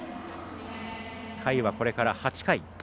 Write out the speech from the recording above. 回はこれから８回。